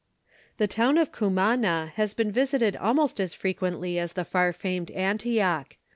The town of Cumana has been visited almost as frequently as the far famed Antioch.